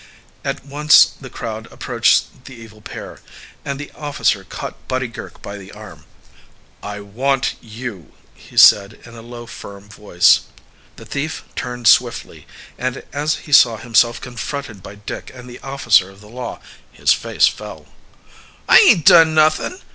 At once the crowd approached the evil pair, and the officer caught Buddy Girk by the arm, "I want you," he said in a low, firm voice. The thief turned swiftly, and as he saw himself confronted by Dick and the officer of the law his face fell. "I ain't done nothing'!"